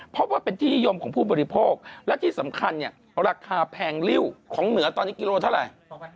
พบว่าเป็นที่นิยมของผู้บริโภคและที่สำคัญเนี่ยราคาแพงริ้วของเหนือตอนนี้กิโลเท่าไหร่